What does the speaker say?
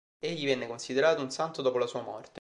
Egli venne considerato un santo dopo la sua morte.